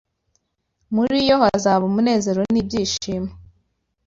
muri yo hazaba umunezero n’ibyishimo